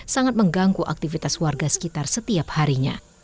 sangat mengganggu aktivitas warga sekitar setiap harinya